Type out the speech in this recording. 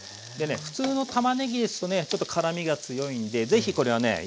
普通のたまねぎですとね辛みが強いんでぜひこれはね